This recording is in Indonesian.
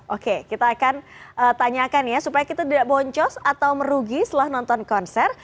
oke kita akan tanyakan ya supaya kita tidak boncos atau merugi setelah nonton konser